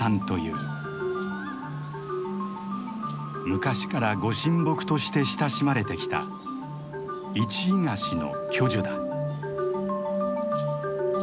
昔からご神木として親しまれてきたイチイガシの巨樹だ。